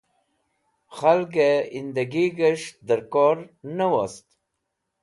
Khalgẽ ẽndegig̃hẽs dẽkor ne wost.